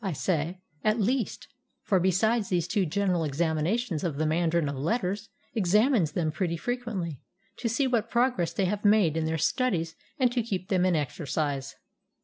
I say "at least," for besides these two general examinations, the mandarin of letters examines them pretty frequently to see what progress they have made in their studies and to keep them in exercise.